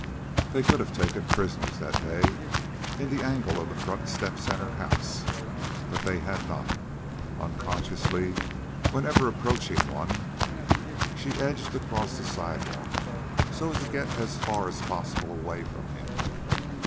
They could have taken prisoners that day, in the angle of her front steps and the house. But they had not. Unconsciously, whenever approaching one, she edged across the sidewalk so as to get as far as possible away from him.